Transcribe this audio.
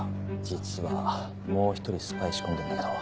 実はもう一人スパイ仕込んでんだけど。